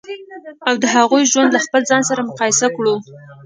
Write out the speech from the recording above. او د هغوی ژوند له خپل ځان سره مقایسه کړو.